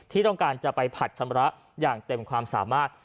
ที่ต้องการจะไปผัดชำระอย่างเต็มความสามารถ